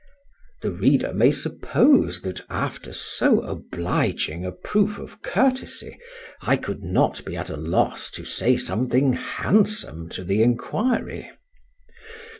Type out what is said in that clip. The reader may suppose, that after so obliging a proof of courtesy, I could not be at a loss to say something handsome to the enquiry.